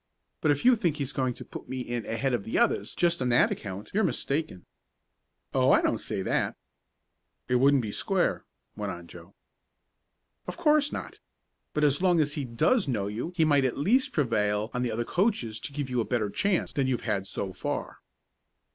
But if you think he's going to put me in ahead of the others just on that account you're mistaken." "Oh, I don't say that." "It wouldn't be square," went on Joe. "Of course not. But as long as he does know you he might at least prevail on the other coaches to give you a better chance than you've had so far."